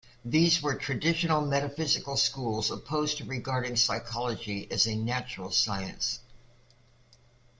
These were traditional metaphysical schools, opposed to regarding psychology as a natural science.